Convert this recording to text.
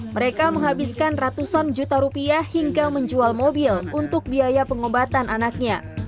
mereka menghabiskan ratusan juta rupiah hingga menjual mobil untuk biaya pengobatan anaknya